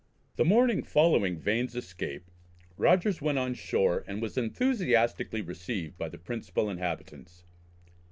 The morning following Vane's escape Rogers went on shore and was enthusiastically received by the principal inhabitants.